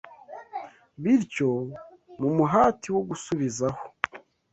bityo mu muhati wo gusubizaho